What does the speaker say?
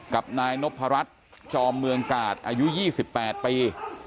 กับนายนพรัชจอมเมืองกาศอายุยี่สิบแปดปี